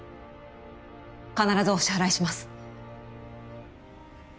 必ずお支払いします